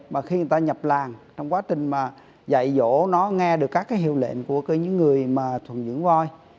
và khi người ta nhập làng trong quá trình mà dạy dỗ nó nghe được các hiệu lệnh của những người thuần dưỡng voi